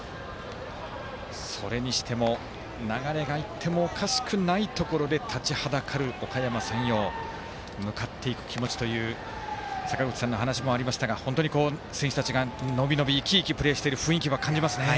それにしても、流れがいってもおかしくないところで立ちはだかる、おかやま山陽。向かっていく気持ちという坂口さんの話もありましたが本当に選手たちが伸び伸び生き生きプレーしている感じが伝わりますね。